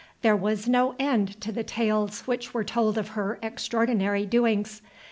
There was no end to the tales which were told of her extraordinary doings.